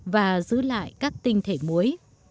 và giữ lại các tinh thể muối